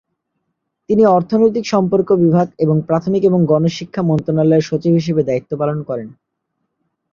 তিনি অর্থনৈতিক সম্পর্ক বিভাগ এবং প্রাথমিক ও গণশিক্ষা মন্ত্রণালয়ের সচিব হিসেবে দায়িত্ব পালন করেন।